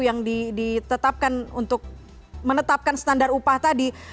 yang ditetapkan untuk menetapkan standar upah tadi